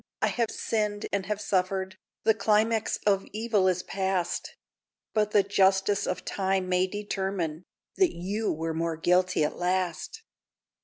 I have sinned and have suffered; The climax of evil is past; But the justice of time may determine That you were more guilty at last!